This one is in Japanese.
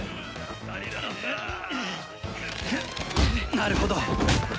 なるほど。